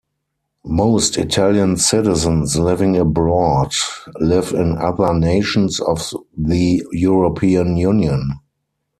Most Italian citizens living abroad live in other nations of the European Union.